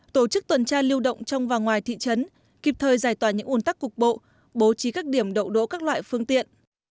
tổ chức tuần tra lưu động trong và ngoài thị trấn kịp thời giải tỏa những ồn tắc cục bộ bố trí các điểm đậu đỗ các loại phương tiện